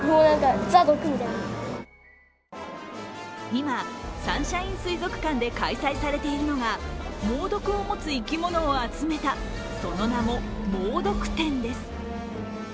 今、サンシャイン水族館で開催されているのが猛毒を持つ生き物を集めたその名も、もうどく展です。